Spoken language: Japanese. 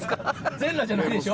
全裸じゃないでしょ？